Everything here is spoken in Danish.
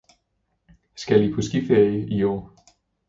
Skal I på skiferie i år?